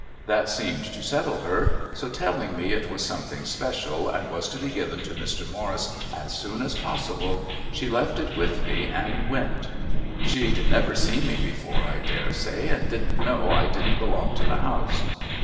That seemed to settle her, so telling me it was something special, and was to be given to Mr. Morris as soon as possible, she left it with me and went. She'd never seen me before, I daresay, and didn't know I didn't belong to the house."